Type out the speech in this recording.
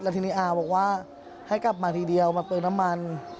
ทีนี้อาบอกว่าให้กลับมาทีเดียวมาเติมน้ำมัน